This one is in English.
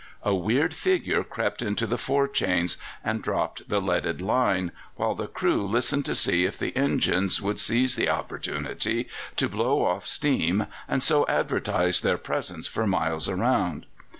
A weird figure crept into the fore chains and dropped the leaded line, while the crew listened to see if the engines would seize the opportunity to blow off steam and so advertise their presence for miles around.